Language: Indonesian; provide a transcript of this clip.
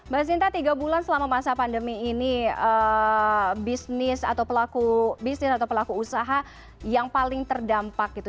mbak sinta tiga bulan selama masa pandemi ini bisnis atau pelaku bisnis atau pelaku usaha yang paling terdampak gitu